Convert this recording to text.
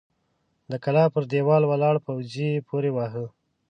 د کلا پر دېوال ولاړ پوځي يې پورې واهه!